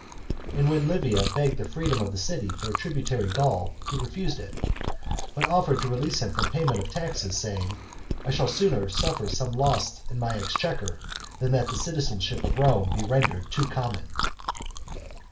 And when Livia begged the freedom of the city for a tributary Gaul, he refused it, but offered to release him from payment of taxes, saying, "I shall sooner suffer some loss in my exchequer, than that the citizenship of Rome be rendered too common."